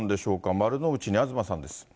丸の内に東さんです。